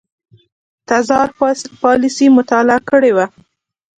تزار پالیسي مطالعه کړې وه.